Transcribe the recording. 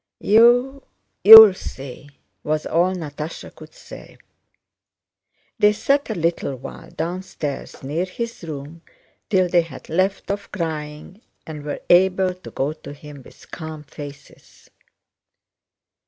"You, you... will see," was all Natásha could say. They sat a little while downstairs near his room till they had left off crying and were able to go to him with calm faces.